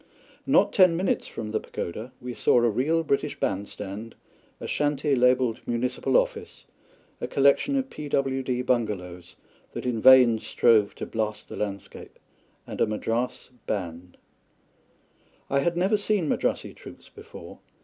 Not ten minutes from the pagoda we saw a real British bandstand, a shanty labelled "Municipal Office," a collection of P. W. D. bungalows that in vain strove to blast the landscape, and a Madras band. I had never seen Madrassi troops before.